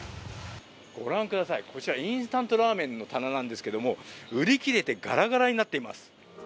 ご覧ください、こちらインスタントラーメンの棚なんですけれども、売り切れてガラガラになっています。